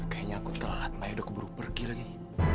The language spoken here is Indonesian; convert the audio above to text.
kayaknya aku telat maya udah keburu pergi lagi